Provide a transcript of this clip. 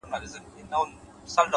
هره ورځ د غوره کېدو نوی انتخاب دی؛